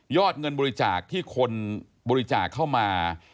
เงินบริจาคที่คนบริจาคเข้ามา